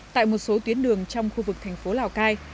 tại một số tuyến đường trong khu vực thành phố lào cai